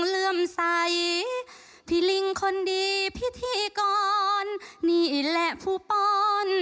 เลื่อมใสพี่ลิงคนดีพิธีกรนี่แหละผู้ป้อน